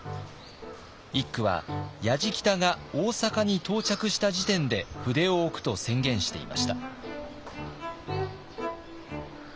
一九はやじきたが大坂に到着した時点で筆を置くと宣言していました。